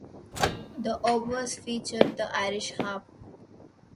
The obverse featured the Irish harp.